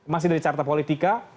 masih dari carta politika